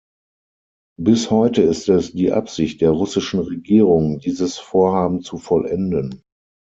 Bis heute ist es die Absicht der russischen Regierung, dieses Vorhaben zu vollenden.